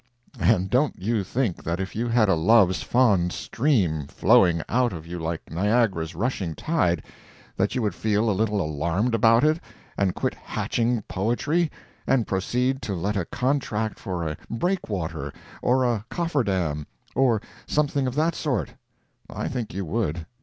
And don't you think that if you had a love's "fond stream" flowing out of you like Niagara's rushing tide that you would feel a little alarmed about it, and quit hatching poetry, and proceed to let a contract for a breakwater, or a coffer dam, or something of that sort? I think you would.